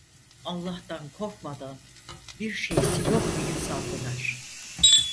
Allah'tan korkmadan bir şeysi yok deyip savdılar!